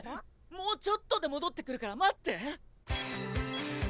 もうちょっとで戻ってくるから待って。